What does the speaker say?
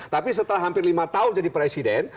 tapi setelah hampir lima tahun jadi presiden